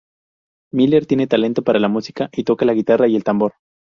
Miller tiene talento para la música y toca la guitarra y el tambor.